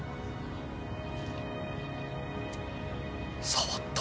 触った。